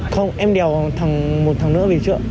không em đèo một thằng nữa